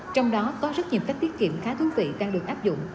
trong đó có rất nhiều cách tiết kiệm khá thú vị đang được áp dụng